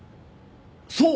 そう。